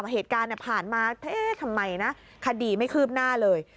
เหตุการณ์ผ่านมาเอ๊ะทำไมนะคดีไม่คืบหน้าเลย